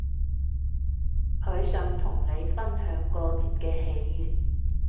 佢想同你分享過節嘅喜悅